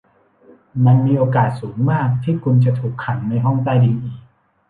มันมีโอกาสสูงมากที่คุณจะถูกขังในห้องใต้ดินอีก